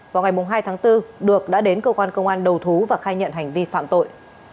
vào ngày hai tháng bốn được đã đến cơ quan công an đầu thú và khai nhận hành vi phạm tội